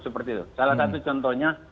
seperti itu salah satu contohnya